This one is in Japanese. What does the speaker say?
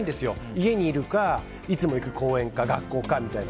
家にいるかいつも行く公園か学校かみたいな。